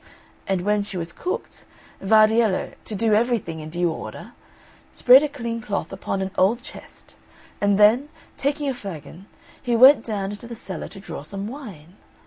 And when she was cooked, Vardiello, to do everything in due order, spread a clean cloth upon an old chest; and then, taking a flagon, he went down into the cellar to draw some wine.